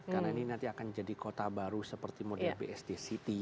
karena ini nanti akan jadi kota baru seperti model bsd city